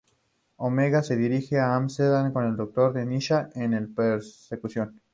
Omega se dirige a Amsterdam con el Doctor y Nyssa en la persecución.